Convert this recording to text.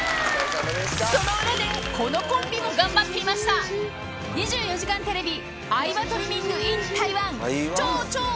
その裏でこのコンビも頑張っていました『２４時間テレビ』